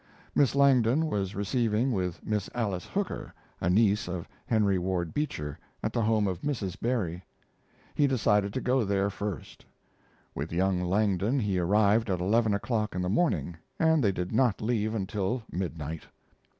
Miss Langdon was receiving with Miss Alice Hooker, a niece of Henry Ward Beecher, at the home of a Mrs. Berry; he decided to go there first. With young Langdon he arrived at eleven o'clock in the morning, and they did not leave until midnight.